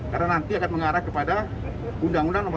karena nanti akan mengarah kepada undang undang nomor dua